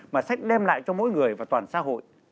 mà sách đem lại cho mỗi người và toàn xã hội